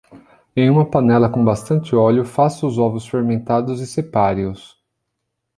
Em uma panela com bastante óleo, faça os ovos fermentados e separe-os.